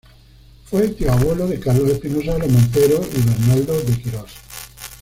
Fue tío-abuelo de Carlos Espinosa de los Monteros y Bernaldo de Quirós.